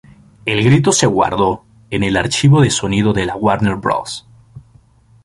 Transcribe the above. El grito se guardó en el archivo de sonido de la Warner Bros.